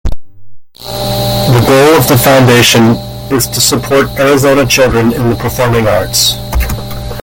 The goal of the foundation is to support Arizona children in the performing arts.